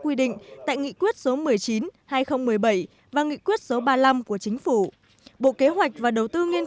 quy định tại nghị quyết số một mươi chín hai nghìn một mươi bảy và nghị quyết số ba mươi năm của chính phủ bộ kế hoạch và đầu tư nghiên